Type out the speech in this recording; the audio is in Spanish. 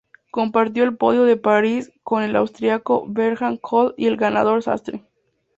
Compartió el podio de París con el austriaco Bernhard Kohl y el ganador Sastre.